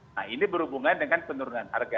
nah ini berhubungan dengan penurunan harga